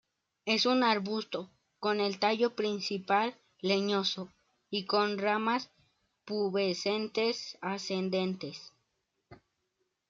Es un arbusto, con el tallo principal leñoso y con ramas pubescentes ascendentes.